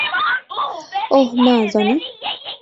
ওহ, না, জনি!